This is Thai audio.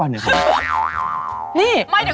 มันเป็นอะไร